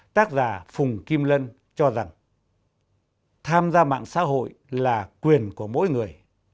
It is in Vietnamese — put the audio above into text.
tác giả phùng kim lân cho rằng tham gia mạng xã hội là quyền của mỗi người